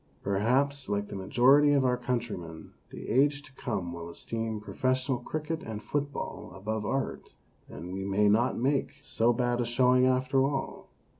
Per haps, like the majority of our countrymen, the age to come will esteem professional cricket and football above art, and we may not make so bad a showing after all